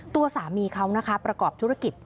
ตัวสามีเขานะคะประกอบธุรกิจ